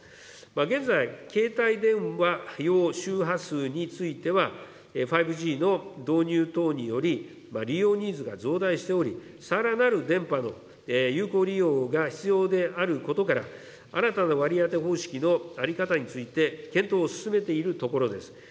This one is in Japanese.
現在、携帯電話用周波数については、５Ｇの導入等により、利用ニーズが増大しており、さらなる電波の有効利用が必要であることから、新たな割り当て方式の在り方について、検討を進めているところです。